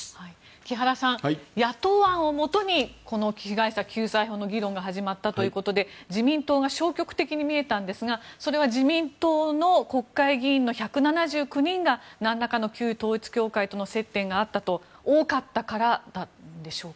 木原さん、野党案をもとにこの被害者救済法の議論が始まったということで自民党が消極的に見えたんですがそれは自民党の国会議員の１７９人がなんらかの旧統一教会との接点があったと多かったからでしょうか。